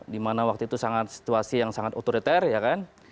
dimana waktu itu sangat situasi yang sangat otoriter ya kan